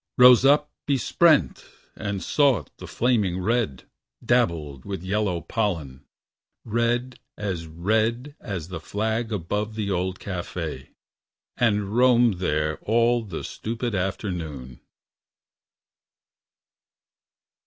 Rose up besprent and sought the flaming red Dabbled with yellow pollen red as red As the flag about the old cafe And roamed there all the stupid afternoon.